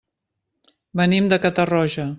Venim de Catarroja.